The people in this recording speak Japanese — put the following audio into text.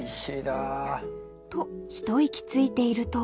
［と一息ついていると］